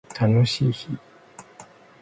楽しい日